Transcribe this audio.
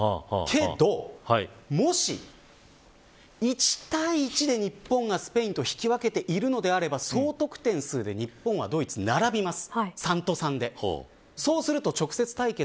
けど、もし１対１で日本がスペインと引き分けているのであれば総得点数で日本はドイツと並びます。